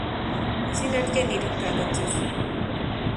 izina rye ni ritagatifu